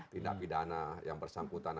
tindak pidana yang bersangkutan